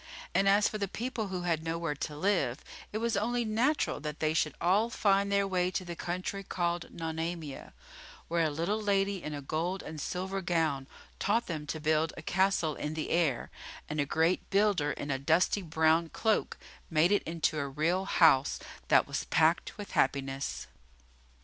And as for the people who had nowhere to live, it was only natural that they should all find their way to the country called Nonamia, where a little lady in a gold and silver gown taught them to build a castle in the air, and a great builder in a dusty brown cloak made it into a real house that was packed with happiness.